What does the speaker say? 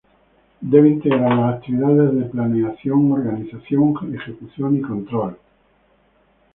Debe integrar las actividades de planeación, organización, ejecución y control.